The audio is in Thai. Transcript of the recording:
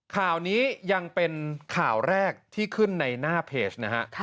ข่าวนี้ยังเป็นข่าวแรกที่ขึ้นในหน้าเพจนะฮะ